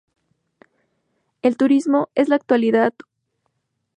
El turismo es en la actualidad una de las actividades de primera importancia.